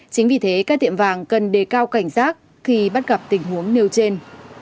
chính vì thế các tiệm vàng cần đề cao cảnh giác khi bắt gặp tình huống nêu trên